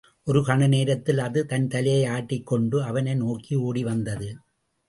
ஒரு கண நேரத்தில் அது தன் தலையை ஆட்டிக் கொண்டு, அவனை நோக்கி ஓடி வந்தது.